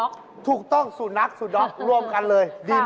อ้าวแล้ว๓อย่างนี้แบบไหนราคาถูกที่สุด